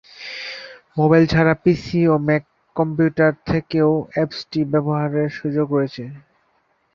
Mobile ছাড়া PC ও Mac computer থেকেও অ্যাপসটি ব্যবহারের সুযোগ রয়েছে।